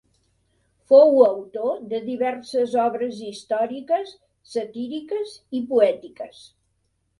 Fou autor de diverses obres històriques, satíriques i poètiques.